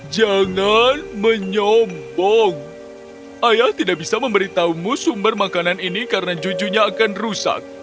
jangan menyombong ayah tidak bisa memberitahumu sumber makanan ini karena cucunya akan rusak